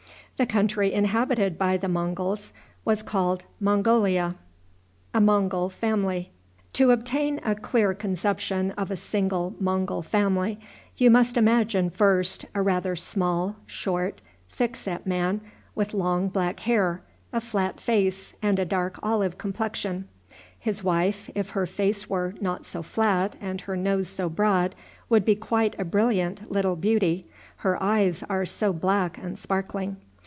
The country inhabited by the Monguls was called Mongolia. To obtain a clear conception of a single Mongul family, you must imagine, first, a rather small, short, thick set man, with long black hair, a flat face, and a dark olive complexion. His wife, if her face were not so flat and her nose so broad, would be quite a brilliant little beauty, her eyes are so black and sparkling.